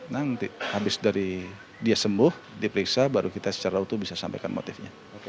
nanti habis dari dia sembuh diperiksa baru kita secara utuh bisa sampaikan motifnya